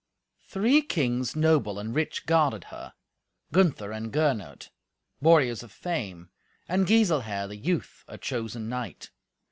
Three kings noble and rich guarded her, Gunther and Gernot, warriors of fame, and Giselher the youth, a chosen knight.